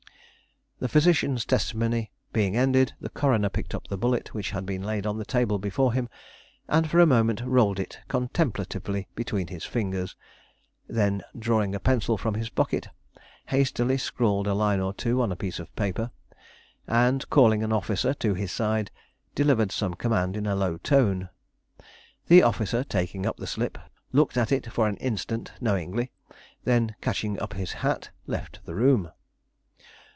The physician's testimony being ended, the coroner picked up the bullet which had been laid on the table before him, and for a moment rolled it contemplatively between his fingers; then, drawing a pencil from his pocket, hastily scrawled a line or two on a piece of paper and, calling an officer to his side, delivered some command in a low tone. The officer, taking up the slip, looked at it for an instant knowingly, then catching up his hat left the room.